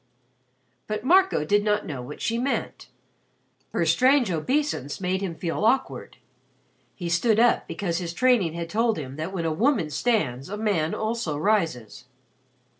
But Marco did not know what she meant. Her strange obeisance made him feel awkward. He stood up because his training had told him that when a woman stands a man also rises.